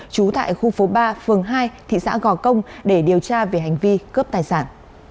trú tại khu phố ba phường hai thị xã gò công để điều tra về hành vi cướp tài sản